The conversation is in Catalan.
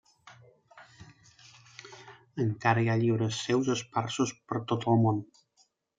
Encara hi ha llibres seus esparsos per tot el món.